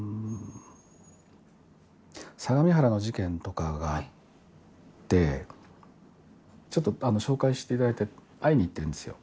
相模原の事件とかがあってちょっと紹介していただいて会いに行っているんですよ。